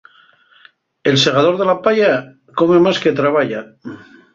El segador de la paya, come más que trabaya.